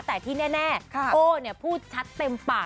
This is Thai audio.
แต่ที่แน่โอ้พูดชัดเต็มปาก